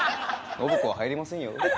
信子は入りませんよ。